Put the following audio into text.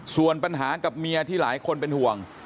ส่วนปัญหากับเมียที่หลายคนเป็นห่วง